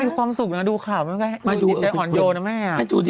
เป็นการกระตุ้นการไหลเวียนของเลือด